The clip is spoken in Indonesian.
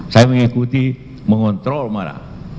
saya mengikuti mengontrol marah